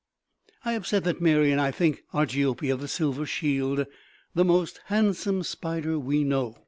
I have said that Mary and I think Argiope of the Silver Shield the most handsome spider we know.